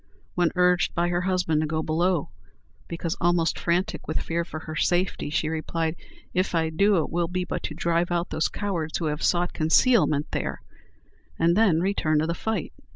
When urged by her husband to go below, because almost frantic with fear for her safety, she replied, "If I do, it will be but to drive out those cowards who have sought concealment there," and then return to the fight.